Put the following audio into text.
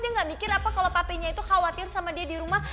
dia nggak mikir apa kalau papinya itu khawatir sama dia di rumah